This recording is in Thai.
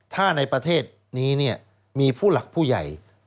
ถ้าในประเทศนี้มีผู้หลักผู้ใหญ่